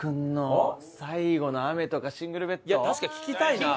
確かに聴きたいな。